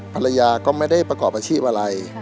ภรรยาก็ไม่ได้ประกอบอาชีพอะไร